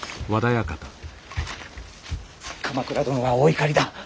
鎌倉殿はお怒りだ。